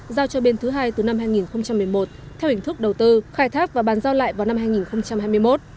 giao cho bên thứ hai từ năm hai nghìn một mươi một theo hình thức đầu tư khai thác và bàn giao lại vào năm hai nghìn hai mươi một